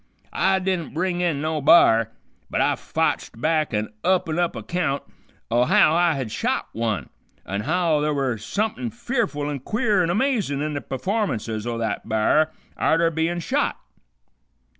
I didn't bring in no b'ar, but I fotched back an up an' up account o' how I had shot one, on' how th' were sumpin' fearful an' queer an' amazin' in the p'formances o' that b'ar arter bein' shot.